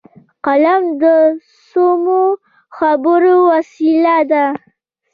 قلم د سمو خبرو وسیله ده